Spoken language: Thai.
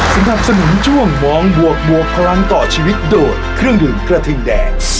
สนับสนุนช่วงมองบวกบวกพลังต่อชีวิตโดยเครื่องดื่มกระทิงแดง